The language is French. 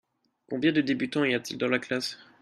Combien de débutants y a-t-il dans la classe ?